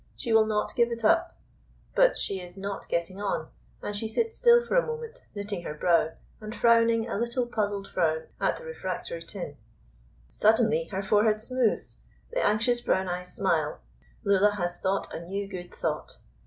She will not give it up. But she is not getting on; and she sits still for a moment, knitting her brow, and frowning a little puzzled frown at the refractory tin. Suddenly her forehead smooths, the anxious brown eyes smile, Lulla has thought a new good thought.